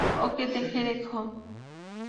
ওকে দেখে রেখো।